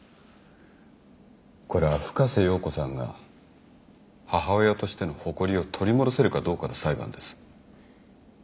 これは深瀬瑤子さんが母親としての誇りを取り戻せるかどうかの裁判です。